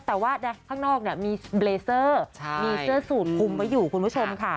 แต่ว่าข้างนอกมีเบลเซอร์มีเสื้อสูตรคุมไว้อยู่คุณผู้ชมค่ะ